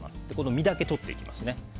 実だけ取っていきます。